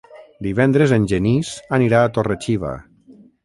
Divendres en Genís anirà a Torre-xiva.